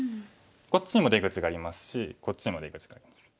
こっちにも出口がありますしこっちにも出口があります。